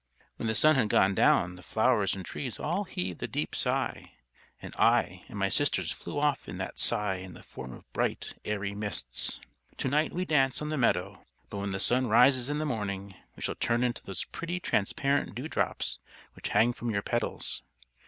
When the sun had gone down the flowers and trees all heaved a deep sigh, and I and my sisters flew off in that sigh in the form of bright airy Mists. To night we dance on the meadow. But when the sun rises in the morning we shall turn into those pretty transparent dewdrops which hang from your petals.